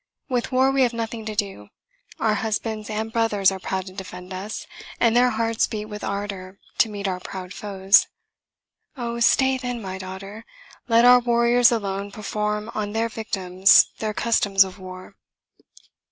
With war we have nothing to do: our husbands and brothers are proud to defend us, and their hearts beat with ardor to meet our proud foes. Oh! stay then, my daughter; let our warriors alone perform on their victims their customs of war!"